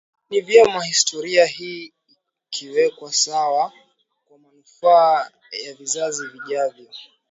ni vyema historia hii ikawekwa sawa kwa manufaa ya vizazi vijavyo